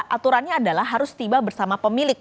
aturannya adalah harus tiba bersama pemilik